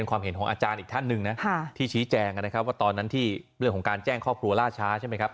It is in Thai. ว่าตอนนั้นที่เหลือของการแจ้งครอบครัวล่าช้าใช่ไหมครับ